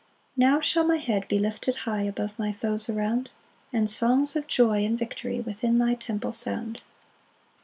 5 Now shall my head be lifted high Above my foes around, And songs of joy and victory Within thy temple sound.